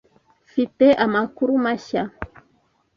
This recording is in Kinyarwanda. Mfite amakuru mashya.